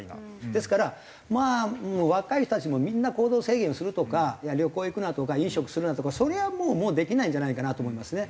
ですからまあ若い人たちもみんな行動制限をするとか旅行へ行くなとか飲食するなとかそれはもうできないんじゃないかなと思いますね。